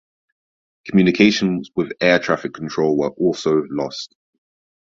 Communications with air traffic control were also lost.